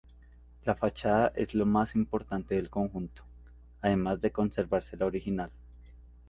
La fachada es lo más importante del conjunto, además de conservarse la original.